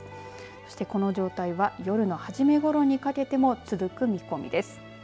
そしてこの状態は夜の始めごろにかけても続く見込みです。